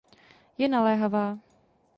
Je naléhavá.